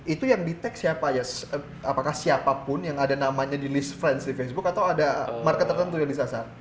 itu yang detect siapa yes apakah siapapun yang ada namanya di list friends di facebook atau ada market tertentu yang disasar